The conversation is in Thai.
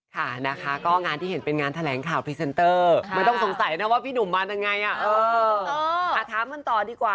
ใช่เป็นการเต้นกลางพอนะคะจนถึงหน้าเวทีค่ะ